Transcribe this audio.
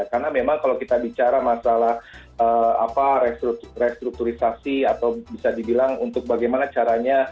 karena memang kalau kita bicara masalah apa restrukturisasi atau bisa dibilang untuk bagaimana caranya